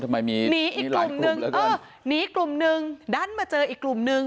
หนีอีกกลุ่มหนึ่งดันมาเจออีกกลุ่มหนึ่ง